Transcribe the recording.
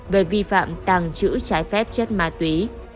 về vi phạm tàng trữ trái phép chất ma túy